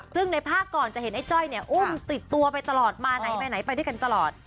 ซึ่งในภาคก่อนจะเห็นไอ้จ้อยเนี่ยอุ้มติดตัวไปตลอดมาไหนไปไหนไปด้วยกันตลอด